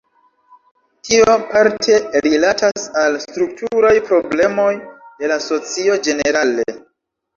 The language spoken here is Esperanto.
Tio parte rilatas al strukturaj problemoj de la socio ĝenerale.